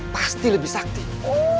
pasti lebih sakit hati